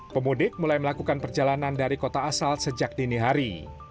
pemudik mulai melakukan perjalanan dari kota asal sejak dini hari